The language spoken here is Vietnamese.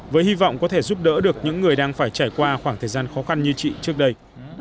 với hy vọng có thể giúp đỡ được những người đang phải trải qua khoảng thời gian khó khăn như chị trước đây